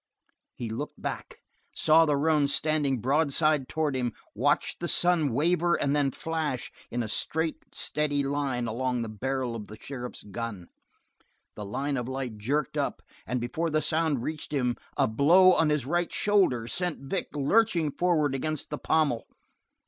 He looked back, saw the roan standing broadside towards him, watched the sun waver and then flash in a straight steady line along the barrel of the sheriff's gun. The line of light jerked up, and before the sound reached him a blow on his right shoulder sent Vic lurching forward against the pommel.